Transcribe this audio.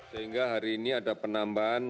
sehingga hari ini ada penambahan